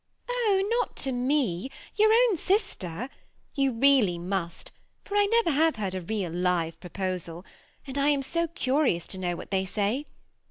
" Oh ! not to me. your own sister. You really must, for I never have heard a real, live proposal^ and I am so curious to know what they say.